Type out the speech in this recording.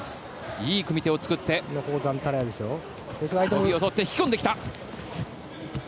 いい組み手を作って道着を取って引き込んできた。